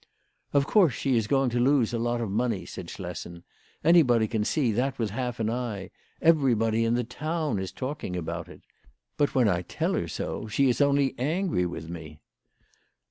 " Of course she is going to lose a lot of money/' said Schlessen. " Anybody can see that with half an eye. Everybody in the town is talking about it. But when I tell her so, she is only angry with me."